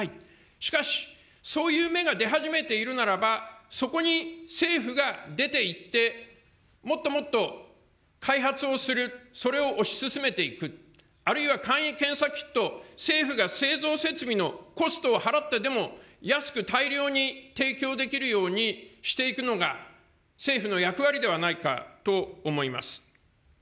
しかし、そういう芽が出始めているならば、そこに政府が出て行って、もっともっと開発をする、それを推し進めていく、あるいは、簡易検査キット、政府が製造設備のコストを払ってでも、安く大量に提供できるようにしていくのが、政府の役割ではないかと思います。